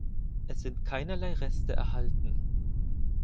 Es sind keinerlei Reste erhalten.